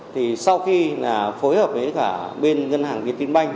thì sau khi là phối hợp với cả bên ngân hàng việt tiên banh